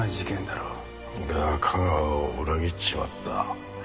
俺は架川を裏切っちまった。